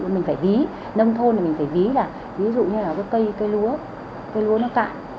mình phải ví nông thôn mình phải ví là ví dụ như là cây lúa cây lúa nó cạn